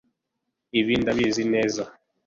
ibi ndabizi neza